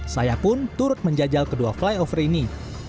saya pun turut menjajal kedua flyover ini